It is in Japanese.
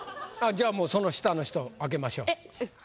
じゃあその下の人開けましょう。